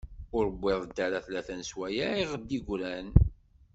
Ur wwiḍent ara tlata n sswayeε i ɣ-d-yegran.